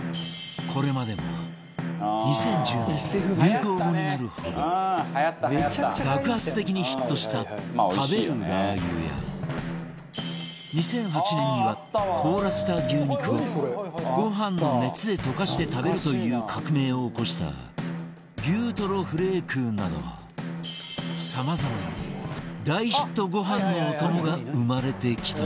これまでも２０１０年流行語になるほど爆発的にヒットした食べるラー油や２００８年には凍らせた牛肉をご飯の熱で溶かして食べるという革命を起こした牛とろフレークなどさまざまな大ヒットご飯のお供が生まれてきたのだ